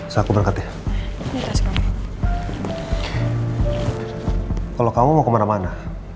sampai jumpa lagi